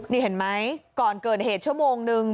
นี่เห็นไหมก่อนเกิดเหตุชั่วโมงนึง